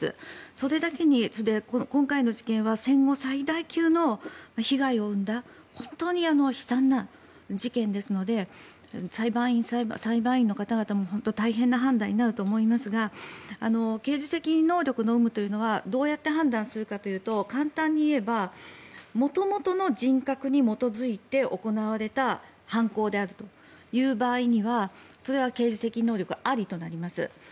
それだけに今回の事件は戦後最大級の被害を生んだ本当に悲惨な事件ですので裁判員の方々も本当に大変な判断になると思いますが刑事責任能力の有無というのはどう判断するかというと簡単に言えば元々の人格に基づいて行われた犯行であるという場合にはそれは刑事責任能力ありとなります。